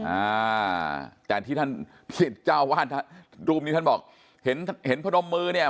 อ่าแต่ที่ท่านเจ้าวาดรูปนี้ท่านบอกเห็นเห็นพนมมือเนี่ย